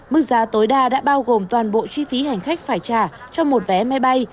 mức giá tối đa đã bao gồm toàn bộ chi phí hành khách phải trả cho một vé máy bay